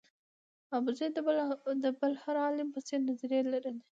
ابوزید د بل هر عالم په څېر نظریې لرلې.